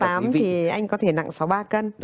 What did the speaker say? thì anh có thể nặng sáu mươi ba cân